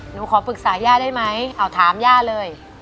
หนูขอปรึกษาย่าได้ไหมเอาถามย่าเลย